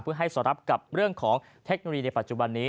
เพื่อให้สอดรับกับเรื่องของเทคโนโลยีในปัจจุบันนี้